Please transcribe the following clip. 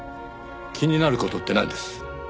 気になる事ってなんです？